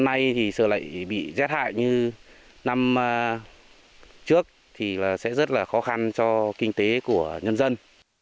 hôm nay thì sợ lại bị rét hại như năm trước thì sẽ rất là khó khăn cho kinh tế của nhân dân